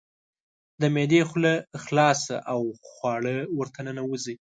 د معدې خوله خلاصه او خواړه ورته ننوزي.